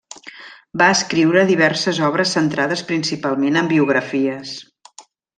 Va escriure diverses obres centrades principalment en biografies.